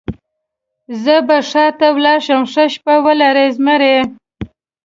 زه به ښار ته ولاړ شم، ښه شپه ولرئ زمري.